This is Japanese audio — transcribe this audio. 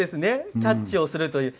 キャッチをするという。